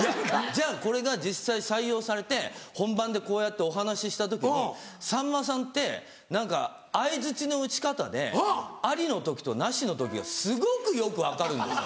じゃあこれが実際採用されて本番でこうやってお話しした時にさんまさんって何か相づちの打ち方でありの時となしの時がすごくよく分かるんです。